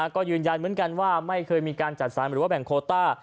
ก็ยืนยันเหมือนกันว่าไม่เคยมีการจัดสรรหรือว่าแบ่งโคต้า